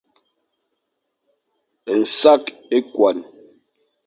Nsak ekuan.